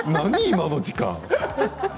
今の時間。